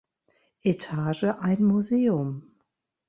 Etage ein Museum.